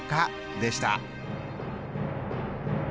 でした。